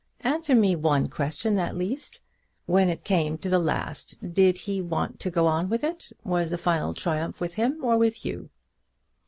"Answer me one question at least: when it came to the last, did he want to go on with it? Was the final triumph with him or with you?"